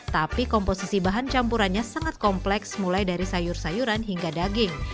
tapi komposisi bahan campurannya sangat kompleks mulai dari sayur sayuran hingga daging